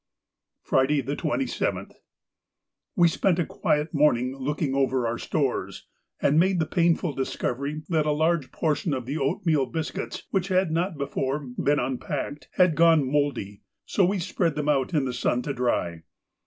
Friday, the 27th.—We spent a quiet morning looking over our stores, and made the painful discovery that a large portion of the oatmeal biscuits, which had not before been unpacked, had gone mouldy, so we spread them in the sun to dry.